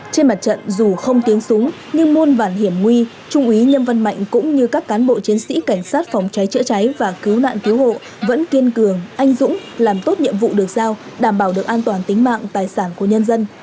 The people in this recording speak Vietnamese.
trên mặt trận dù không tiếng súng nhưng muôn vản hiểm nguy trung úy nghiêm văn mạnh cũng như các cán bộ chiến sĩ cảnh sát phòng cháy chữa cháy và cứu nạn cứu hộ vẫn kiên cường anh dũng làm tốt nhiệm vụ được giao đảm bảo được an toàn tính mạng tài sản của nhân dân